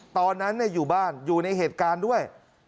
ตอนนั้นอยู่บ้านอยู่ในเหตุการณ์ด้วย